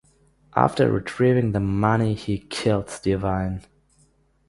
After retrieving the money, he kills Devine.